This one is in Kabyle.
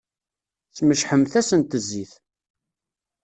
Smecḥemt-asent zzit!